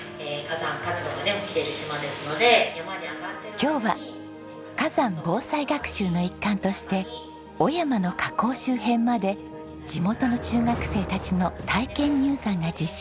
今日は火山防災学習の一環として雄山の火口周辺まで地元の中学生たちの体験入山が実施されます。